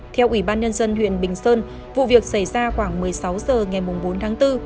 theo ủy ban nhân dân huyện bình sơn vụ việc xảy ra khoảng một mươi sáu h ngày bốn tháng bốn